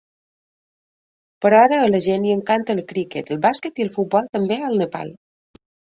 Però ara a la gent li encanta el criquet, el bàsquet i el futbol també al Nepal.